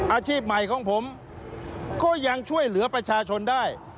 อาชีพใหม่ของผมก็ยังช่วยเหลือประชาชนได้